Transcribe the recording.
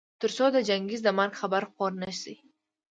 تر څو د چنګېز د مرګ خبر خپور نه شي.